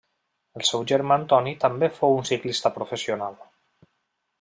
El seu germà Antoni també fou un ciclista professional.